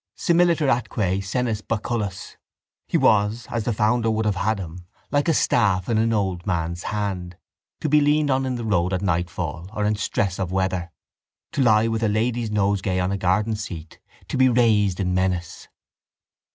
Similiter atque senis baculus, he was, as the founder would have had him, like a staff in an old man's hand, to be leaned on in the road at nightfall or in stress of weather, to lie with a lady's nosegay on a garden seat, to be raised in menace.